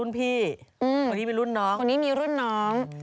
เต๊าเสียดนพงมีรุ่นพี่